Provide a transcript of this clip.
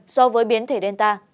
so với biến thể omicron